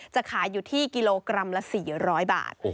จะขายอยู่ที่กิโลกรัมละ๔๐๐บาท